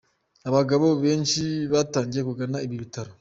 Abagabo benshi batangiye kugana ibi bitaro.